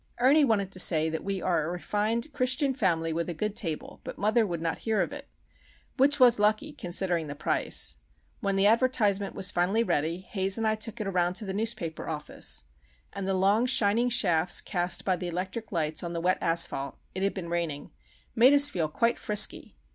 Ernie wanted to say that we are a refined Christian family with a good table, but mother would not hear of it;—which was lucky, considering the price! When the advertisement was finally ready, Haze and I took it around to the newspaper office;—and the long shining shafts cast by the electric lights on the wet asphalt (it had been raining) made us feel quite frisky.